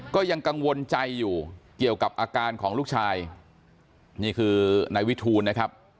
ก็ยังกังวลใจอยู่เกี่ยวกับอาการของลูกชายนี่คือนายวิทูลนะครับ